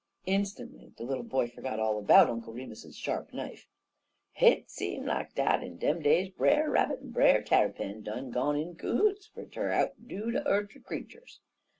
Instantly the little boy forgot all about Uncle Remus's sharp knife. "Hit seem lak dat in dem days Brer Rabbit en Brer Tarrypin done gone in cohoots fer ter outdo de t'er creeturs.